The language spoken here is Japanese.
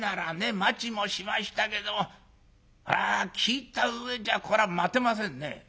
待ちもしましたけども聞いた上じゃこれは待てませんね」。